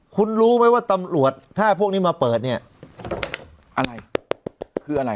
คุณรู้ไหมว่าตำรวจถ้าพวกนี้มาเปิดเนี่ยอะไรคืออะไร